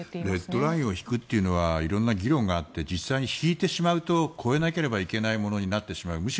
レッドラインを引くというのはいろんな議論があって実際に引いてしまうと超えなければいけないものになってしまう。